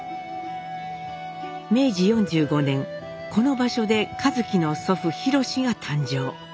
明治４５年この場所で一輝の祖父廣が誕生。